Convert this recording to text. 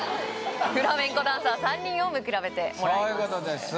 フラメンコダンサー３人を見比べてもらいますそういうことです